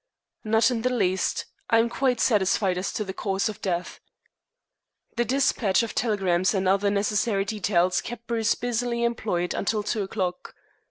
"Not in the least. I am quite satisfied as to the cause of death." The despatch of telegrams and other necessary details kept Bruce busily employed until two o'clock.